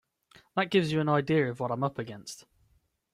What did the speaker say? That gives you an idea of what I'm up against.